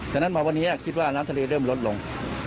ฉะนั้นมาวันนี้คิดว่าน้ำทะเลเริ่มลดลง